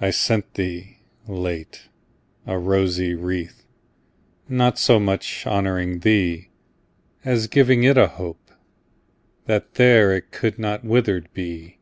I sent thee, late, a rosy wreath, Not so much honouring thee, As giving it a hope, that there It could not withered be.